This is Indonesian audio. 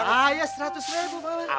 ayah rp seratus bang mardhani